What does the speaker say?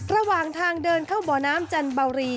ระหว่างทางเดินเข้าบ่อน้ำจันเบารี